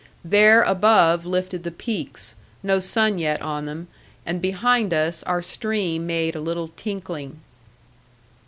There above lifted the peaks, no sun yet on them, and behind us our stream made a little tinkling.